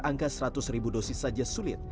angka seratus ribu dosis saja sulit